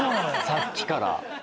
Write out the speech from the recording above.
さっきから！